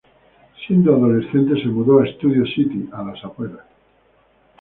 Siendo adolescente se mudó a Studio City, a las afueras.